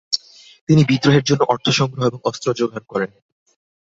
তিনি বিদ্রোহের জন্য অর্থ সংগ্রহ এবং অস্ত্র যোগাড় করেন।